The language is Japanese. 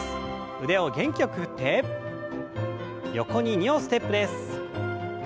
腕を元気よく振って横に２歩ステップです。